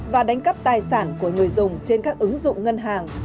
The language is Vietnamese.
và đánh cắp tài sản của người dùng trên các ứng dụng ngân hàng